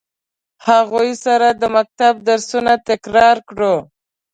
هغوی سره د مکتب درسونه تکرار کړو.